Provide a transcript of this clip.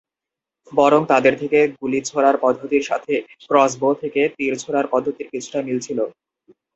বরং তাদের থেকে গুলি ছোঁড়ার পদ্ধতির সাথে "ক্রস বো" থেকে তীর ছোঁড়ার পদ্ধতির কিছুটা মিল ছিল।